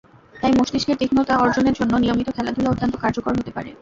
তাই মস্তিষ্কের তীক্ষ্ণতা অর্জনের জন্য নিয়মিত খেলাধুলা অত্যন্ত কার্যকর হতে পারে।